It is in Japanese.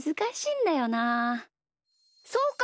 そうか！